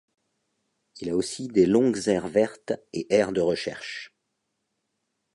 Il a aussi des longues aires vertes et aires de recherche.